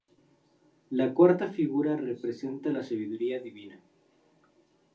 La cuarta figura representa la Sabiduría Divina.